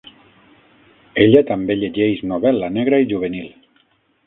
Ella també llegeix novel·la negra i juvenil.